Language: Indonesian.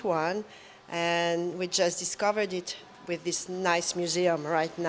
dan kami baru saja menemukan dengan museum yang bagus ini